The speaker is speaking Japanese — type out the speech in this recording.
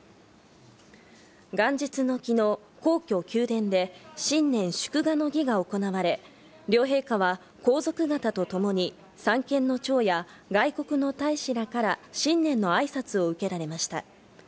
元日の昨日、皇居・宮殿で新年祝賀の儀が行われ、両陛下は皇族方とともに三権の長や外国の大使らから新年の挨拶を受けられました。